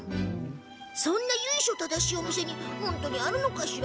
そんな由緒正しいお店に本当にあるのかしら？